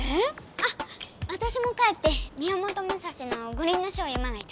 ⁉あっわたしも帰って宮本武蔵の「五輪書」を読まなきゃ！